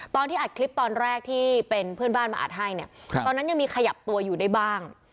ตอนที่อัดคลิปตอนแรกที่เป็นเพื่อนบ้านมาอัดให้เนี่ยตอนนั้นยังมีขยับตัวอยู่ได้บ้าง